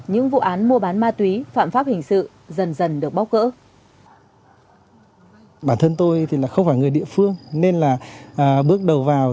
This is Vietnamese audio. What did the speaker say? những vụ án mua bán ma túy phạm pháp hình sự dần dần được bóc gỡ